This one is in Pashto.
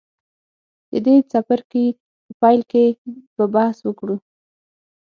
د دې څپرکي په پیل کې به بحث وکړو.